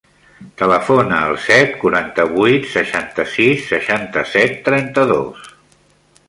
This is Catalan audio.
Telefona al set, quaranta-vuit, seixanta-sis, seixanta-set, trenta-dos.